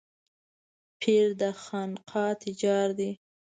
پير د خانقاه تجار دی.